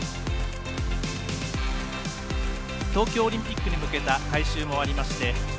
東京オリンピックに向けた改修も終わりまして